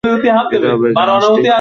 এটা হবে গ্যালাক্টিক।